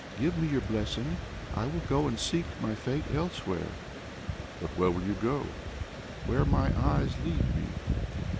give me your blessing. I will go and seek my fate myself." "But where will you go?" "Where my eyes lead me."